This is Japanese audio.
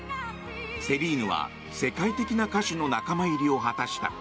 セリーヌは世界的な歌手の仲間入りを果たした。